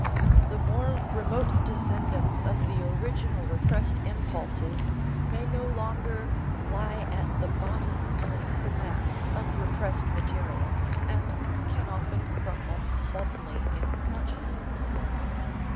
The more remote descendants of the original repressed impulses may no longer lie at the bottom of the mass of repressed material and can often crop up suddenly in consciousness.